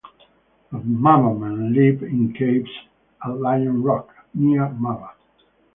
The Maba Men lived in caves at Lion Rock, near Maba.